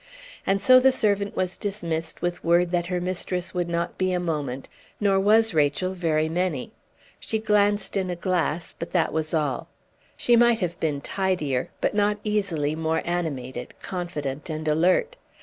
And so the servant was dismissed with word that her mistress would not be a moment; nor was Rachel very many. She glanced in a glass, but that was all; she might have been tidier, but not easily more animated, confident, and alert.